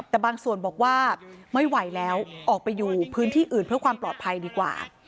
แต่บางส่วนบอกว่าไม่ไหวแล้วออกไปอยู่พื้นที่อื่นเพื่อความปลอดภัยดีกว่า